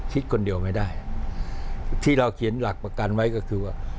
คิดคนเดียวไม่ได้ที่เราเขียนหลักประกันไว้ก็คือว่า